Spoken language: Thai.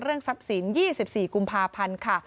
เรื่องทรัพย์สิน๒๔คุมภาพันธุ์ค่ะ